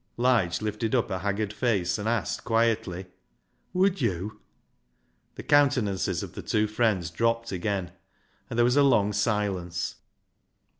Lige lifted up a haggard face and asked quietly — "WodV?" The countenances of the two friends dropped again, and there was a long silence.